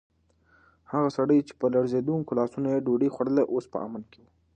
هغه سړی چې په لړزېدونکو لاسونو یې ډوډۍ خوړله، اوس په امن کې و.